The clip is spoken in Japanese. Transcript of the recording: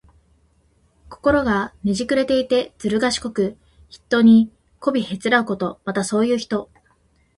心がねじくれていて、ずるがしこく、人にこびへつらうこと。また、そういう人。